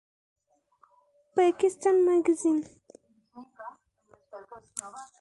Pakistan Magazine.